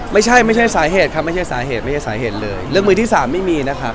ไม่ใช่สาเหตุครับไม่ใช่สาเหตุเลยเรื่องมือที่๓ไม่มีนะครับ